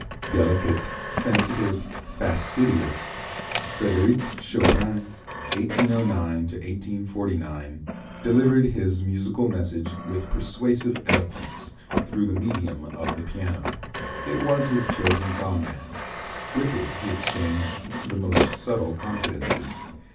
Delicate, sensitive, fastidious, Frédéric Chopin (1809 1849) delivered his musical message with persuasive eloquence through the medium of the piano. It was his chosen comrade. With it he exchanged the most subtle confidences.